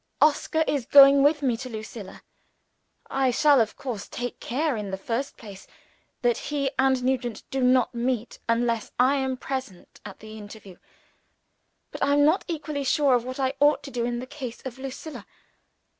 "Oscar is going with me to Lucilla. I shall of course take care, in the first place, that he and Nugent do not meet, unless I am present at the interview. But I am not equally sure of what I ought to do in the case of Lucilla.